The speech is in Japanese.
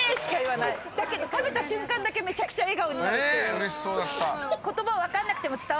うれしそうだった。